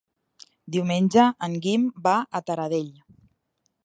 Diumenge en Guim va a Taradell.